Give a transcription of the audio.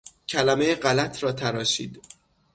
کلمهٔ غلط را تراشید.